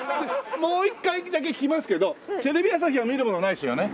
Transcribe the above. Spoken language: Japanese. もう一回だけ聞きますけどテレビ朝日は見るものないですよね？